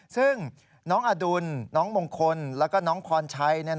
ซึ่งน้องอดุลน้องมงคลแล้วก็น้องพรชัย